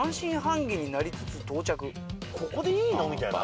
「ここでいいの？」みたいな？